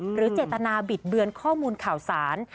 หรือเจตนาบิดเบือนข้อมูลข่าวสาร